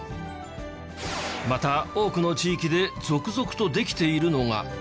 また多くの地域で続々とできているのが。